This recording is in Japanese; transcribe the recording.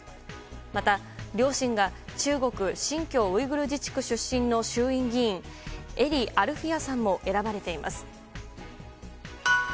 また、両親が中国・新疆ウイグル自治区出身の衆院議員、英利アルフィヤさんも選ばれています。